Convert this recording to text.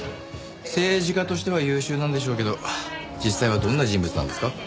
政治家としては優秀なんでしょうけど実際はどんな人物なんですか？